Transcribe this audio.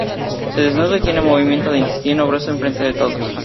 Se desnuda y tiene un movimiento de intestino grueso en frente de todos.